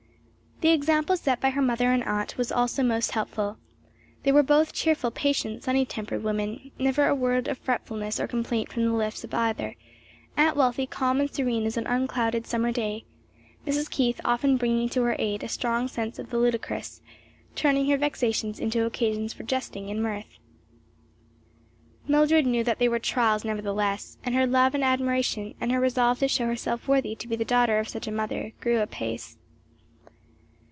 The example set her by her mother and aunt was also most helpful. They were both cheerful, patient, sunny tempered women; never a word of fretfulness or complaint from the lips of either; Aunt Wealthy calm and serene as an unclouded summer day, Mrs. Keith often bringing to her aid a strong sense of the ludicrous; turning her vexations into occasions for jesting and mirth. Mildred knew that they were trials nevertheless, and her love and admiration, and her resolve to show herself worthy to be the daughter of such a mother, grew apace.